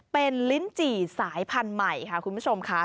เป็นลิ้นจี่สายพันธุ์ใหม่ค่ะคุณผู้ชมค่ะ